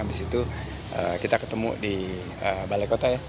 habis itu kita ketemu di balai kota ya